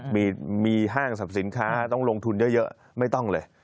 มีห้างสรรพสินค้าต้องลงทุนเยอะไม่ต้องเลย